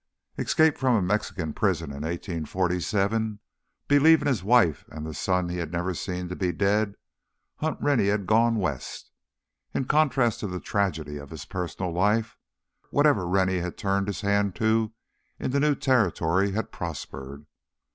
Escaped from a Mexican prison in 1847, believing his wife and the son he had never seen to be dead, Hunt Rennie had gone west. In contrast to the tragedy of his personal life, whatever Rennie had turned his hand to in the new territory had prospered.